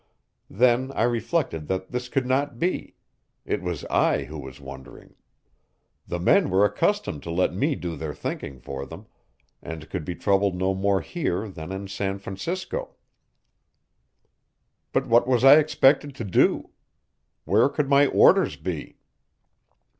Then I reflected that this could not be. It was I who was wondering. The men were accustomed to let me do their thinking for them, and could be troubled no more here than in San Francisco. But what was I expected to do? Where could my orders be?